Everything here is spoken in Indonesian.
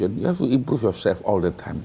kamu harus memperbaiki diri sendiri selama lamanya